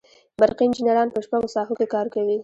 برقي انجینران په شپږو ساحو کې کار کوي.